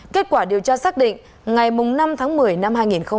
kết quả điều tra xác định ngày năm tháng một mươi năm hai nghìn hai mươi một